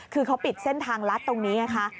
คือเขาปิดเส้นทางลัดตรงนี้ไงคะ